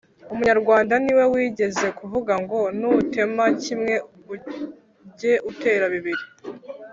Umunyarwanda ni we wigeze kuvuga ngo Nutema kimwe uge utera bibiri